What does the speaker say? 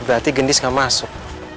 berarti gendis nggak masuk